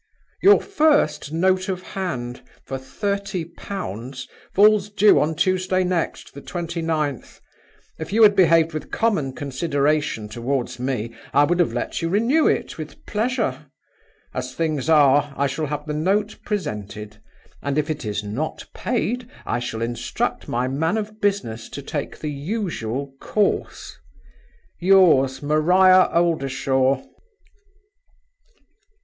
"Your first note of hand (for thirty pounds) falls due on Tuesday next, the 29th. If you had behaved with common consideration toward me, I would have let you renew it with pleasure. As things are, I shall have the note presented; and, if it is not paid, I shall instruct my man of business to take the usual course. "Yours, MARIA OLDERSHAW."